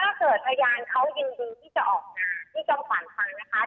ถ้าเกิดพยานเขายินดีที่จะออกมานี่ต้องฝันฟังนะคะ